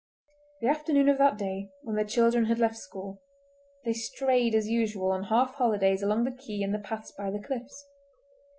The afternoon of that day, when the children had left school, they strayed as usual on half holidays along the quay and the paths by the cliffs.